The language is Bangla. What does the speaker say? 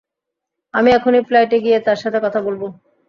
আমি এখনি ফ্লাইটে গিয়ে তার সাথে কথা বলবো।